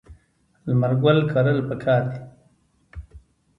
لمر ګل کرل پکار دي.